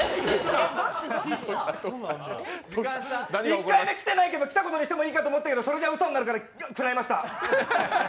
１回目来てないけど、来たことにしてもいいけど、それじゃ、うそになるから食らいました。